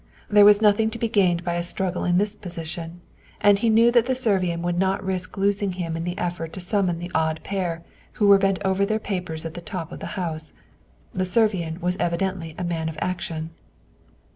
There was nothing to be gained by a struggle in this position, and he knew that the Servian would not risk losing him in the effort to summon the odd pair who were bent over their papers at the top of the house. The Servian was evidently a man of action.